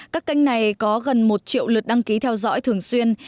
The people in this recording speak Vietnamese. các kênh này có gần một triệu lượt đăng ký theo dõi thường xuyên